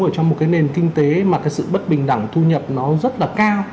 ở trong một cái nền kinh tế mà cái sự bất bình đẳng thu nhập nó rất là cao